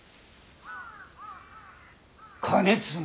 兼続。